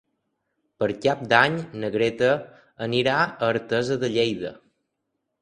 Per Cap d'Any na Greta anirà a Artesa de Lleida.